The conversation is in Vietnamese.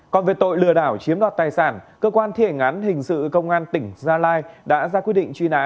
còn về tội lừa đảo chiếm đoạt tài sản cơ quan thi hành án hình sự công an tỉnh gia lai đã ra quyết định truy nã